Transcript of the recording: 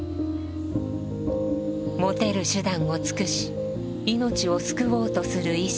持てる手段を尽くし命を救おうとする医師。